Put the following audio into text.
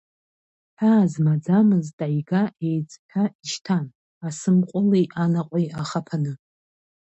Ҳәаа змаӡамыз таига еиҵҳәа ишьҭан, асымҟәыли анаҟәеи ахаԥаны.